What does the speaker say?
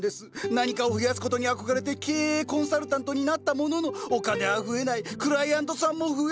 何かを増やす事に憧れて経営コンサルタントになったもののお金は増えないクライアントさんも増えない。